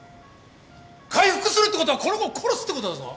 開腹するってことはこの子を殺すってことだぞ！